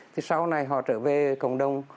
thì sau này họ trở về cộng đồng